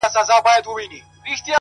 • په ځنګله کي د خپل ښکار په ننداره سو ,